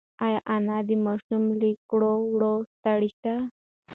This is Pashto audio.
ایا انا د ماشوم له کړو وړو ستړې ده؟